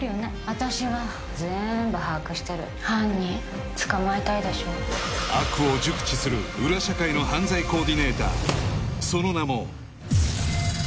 あたしはぜんぶ把握してる犯人捕まえたいでしょ悪を熟知する裏社会の犯罪コーディネーター